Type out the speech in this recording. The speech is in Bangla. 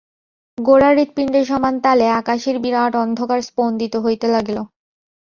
গোরার হৃৎপিণ্ডের সমান তালে আকাশের বিরাট অন্ধকার স্পন্দিত হইতে লাগিল।